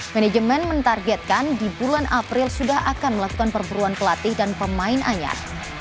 manajemen mentargetkan di bulan april sudah akan melakukan perburuan pelatih dan pemain anyar